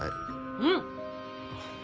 「うん」！